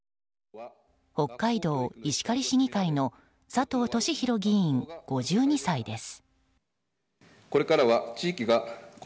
北海道石狩市議会の佐藤俊浩議員、５２歳です。